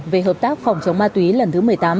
về hợp tác phòng chống ma túy lần thứ một mươi tám